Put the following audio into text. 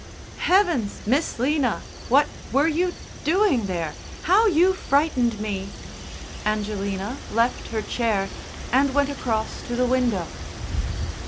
"Heavens! Miss 'Lina! What were you doing there? How you frightened me!" Angelina left her chair, and went across to the window.